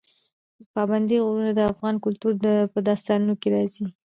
پابندی غرونه د افغان کلتور په داستانونو کې راځي.